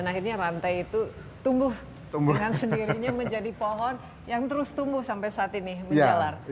dan akhirnya rantai itu tumbuh dengan sendirinya menjadi pohon yang terus tumbuh sampai saat ini menjalar